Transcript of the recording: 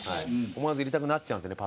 思わず入れたくなっちゃうんですよね